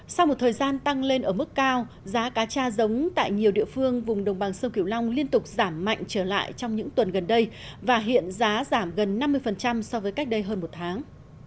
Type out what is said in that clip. sau một thời gian tăng lên ở mức cao giá cá cha giống tại nhiều địa phương vùng đồng bằng sông kiểu long liên tục giảm mạnh trở lại trong những tuần gần đây và hiện giá giảm gần năm mươi so với cách đây hơn một tháng